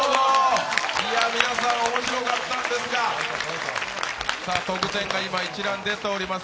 皆さん、面白かったんですが得点が一覧、出ております。